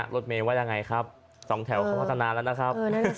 รถเมย์ว่ายังไงครับสองแถวเขาพัฒนาแล้วนะครับ